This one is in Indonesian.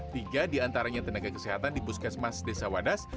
tiga di antaranya tenaga kesehatan di puskesmas desa wadas